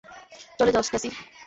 চলে যাও, স্ট্যাসি।